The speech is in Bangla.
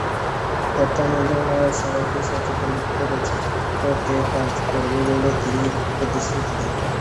তথ্য মন্ত্রণালয় সবাইকে সচেতন করতে কাজ করবে বলে তিনি প্রতিশ্রুতি দেন।